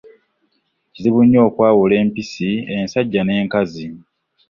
Kizibu nnyo okwawula empisi ensajja n’enkazi.